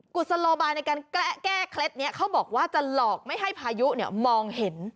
กุศโลบายในการแก้เคล็ดนี้เขาบอกว่าจะหลอกไม่ให้พายุมองเห็น